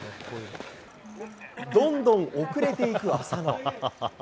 どんどん遅れていく浅野。